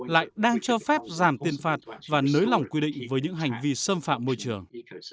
lại đang cho phép giảm tiền phạt và nới lỏng quy định với những hành vi xâm phạm môi trường